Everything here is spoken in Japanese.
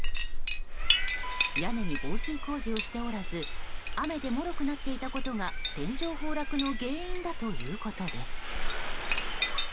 屋根に防水工事をしておらず雨でもろくなっていたことが天井崩落の原因だということです。